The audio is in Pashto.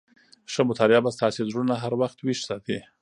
ښه مطالعه به ستاسي زړونه هر وخت ويښ ساتي.